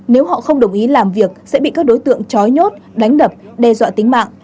nếu họ không đồng ý làm việc sẽ bị các đối tượng trói nhốt đánh đập đe dọa tính mạng